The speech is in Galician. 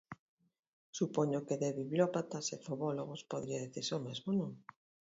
Supoño que de Bibliópatas e Fobólogos podería dicirse o mesmo, non?